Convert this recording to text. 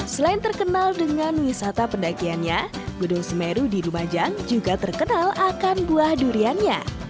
selain terkenal dengan wisata pendakiannya gedung semeru di lumajang juga terkenal akan buah duriannya